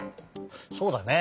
そうだね。